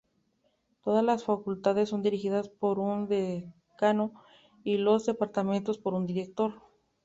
Todas las facultades son dirigidas por un decano y los departamentos por un director.